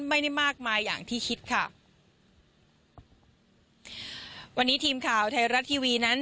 ไม่ได้มากมายอย่างที่คิดค่ะวันนี้ทีมข่าวไทยรัฐทีวีนั้น